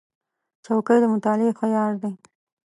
چوکۍ د مطالعې ښه یار دی.